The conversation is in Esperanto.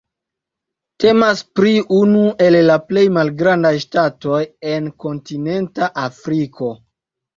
Temas pri unu el la plej malgrandaj ŝtatoj en kontinenta Afriko.